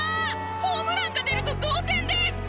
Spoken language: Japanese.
ホームランが出ると同点です！